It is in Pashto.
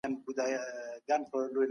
تدريس د محتوا وړاندي کول دي.